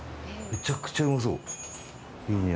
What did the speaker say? めちゃくちゃうまそう！